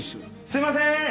すいませーん！